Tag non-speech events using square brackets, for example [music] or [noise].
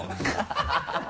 ハハハ [laughs]